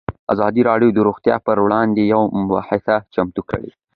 ازادي راډیو د روغتیا پر وړاندې یوه مباحثه چمتو کړې.